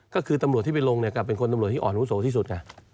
ก็คือตำรวจที่ไปลงกับเป็นคนตำรวจที่อ่อนอาวุโสที่สุดไง